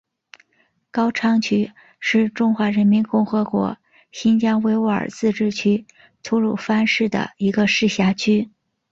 高昌区是中华人民共和国新疆维吾尔自治区吐鲁番市的一个市辖区。